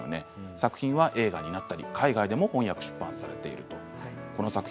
作品は映画になったり海外でも翻訳出版されているこの作品。